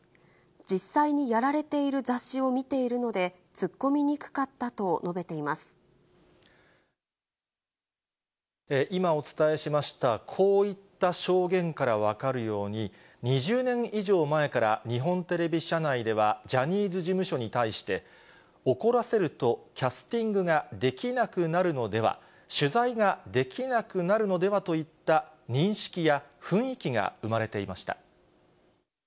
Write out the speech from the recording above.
実際にやられている雑誌を見ているので、突っ込みにくかったと述今お伝えしました、こういった証言から分かるように、２０年以上前から、日本テレビ社内では、ジャニーズ事務所に対して、怒らせるとキャスティングができなくなるのでは、取材ができなくなるのではといった認識や雰囲気が生まれていました。